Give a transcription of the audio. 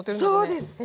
そうです。